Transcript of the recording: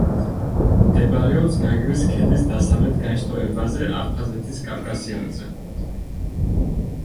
მდებარეობს გაგრის ქედის დასავლეთ განშტოებაზე, აფხაზეთის კავკასიონზე.